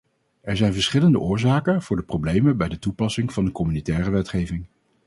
Er zijn verschillende oorzaken voor de problemen bij de toepassing van de communautaire wetgeving.